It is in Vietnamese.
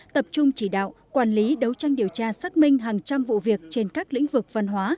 tập trung chỉ đạo quản lý đấu tranh điều tra xác minh hàng trăm vụ việc trên các lĩnh vực văn hóa